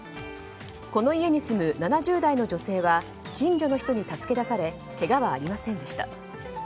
この家に住む７０代の女性は近所の人に助け出されけがはありませんでした。